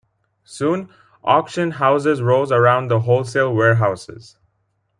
Soon, auction houses rose around the wholesale warehouses.